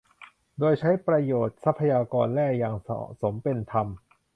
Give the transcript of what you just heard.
โดยใช้ประโยชน์ทรัพยากรแร่อย่างเหมาะสม เป็นธรรม